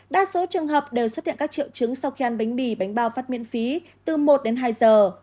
đa số trường hợp đều xuất hiện các triệu chứng sau khi ăn bánh mì bánh bao phát miễn phí từ một đến hai giờ